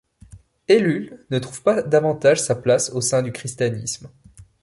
Ellul ne trouve pas davantage sa place au sein du christianisme.